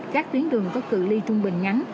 các tuyến đường có cự li trung bình nhắn